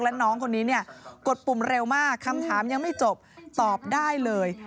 แล้วน้องคนนี้เนี่ยกดปุ่มเร็วมากคำถามยังไม่จบตอบได้เลย